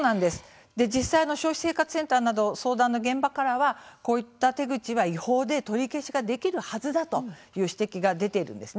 実際に消費生活センターなどの相談の現場からは、この手口は違法で取り消しができるはずだという指摘が出ています。